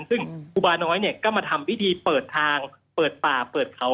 ซึ่งครูบาน้อยเนี่ยก็มาทำพิธีเปิดทางเปิดป่าเปิดเขา